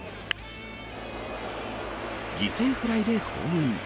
犠牲フライでホームイン。